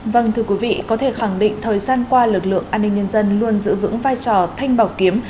vâng thưa quý vị có thể khẳng định thời gian qua lực lượng an ninh nhân dân luôn giữ vững vai trò thanh bảo kiếm